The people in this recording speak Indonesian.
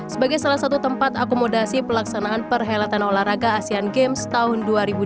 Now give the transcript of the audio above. sebagai salah satu tempat akomodasi pelaksanaan perhelatan olahraga asean games tahun dua ribu delapan belas